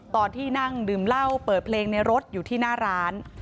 ตอนที่นั่งดื่มเหล้าเปิดเพลงในรถอยู่ที่หน้าร้าน